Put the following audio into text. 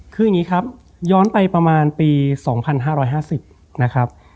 คืออย่างนี้ครับย้อนไปประมาณปี๒๕๕๐นะครับ